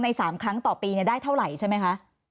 ๓ครั้งต่อปีได้เท่าไหร่ใช่ไหมคะ